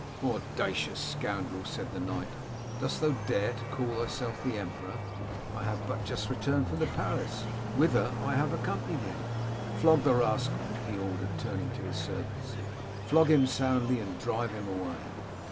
"* Audacious scoundrel !* said the knight, * dost thou dare to call thyself the emperor ? I have but just returned from the palace, whither I have accompanied him. Flog the rascal,' he ordered, turning to his servants :* flog him soundly, and drive him away.'